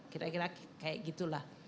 kira kira kayak gitu lah